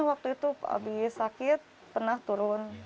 waktu itu habis sakit pernah turun